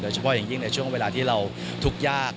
เฉพาะอย่างยิ่งในช่วงเวลาที่เราทุกข์ยาก